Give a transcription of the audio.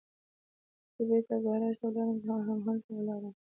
زه بېرته ګاراج ته ولاړم، زه لا همالته ولاړ ووم.